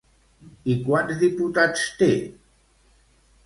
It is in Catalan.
I quants diputats té?